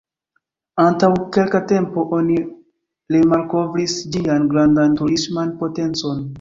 Antaŭ kelka tempo oni remalkovris ĝian grandan turisman potencon.